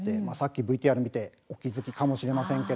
ＶＴＲを見てお気付きかもしれません。